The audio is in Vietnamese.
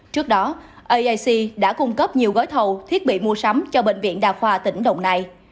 trước đó aic đã cung cấp nhiều gói thầu thiết bị mua sắm cho bệnh viện đa khoa tỉnh đồng nai